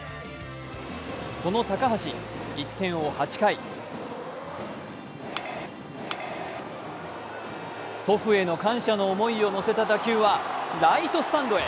その高橋、１点を追う８回、祖父への感謝の思いを乗せた打球はライトスタンドへ。